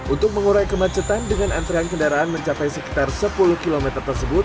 untuk mengurai kemacetan dengan antrean kendaraan mencapai sekitar sepuluh km tersebut